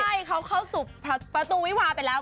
ใช่เขาเข้าสู่ประตูวิวาไปแล้ว